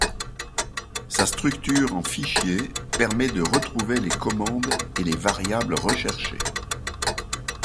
Sa structure en fichier permet de retrouver les commandes et les variables recherchées.